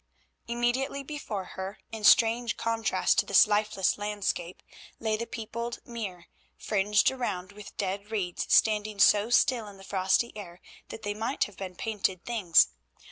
Immediately before her, in strange contrast to this lifeless landscape, lay the peopled mere, fringed around with dead reeds standing so still in the frosty air that they might have been painted things.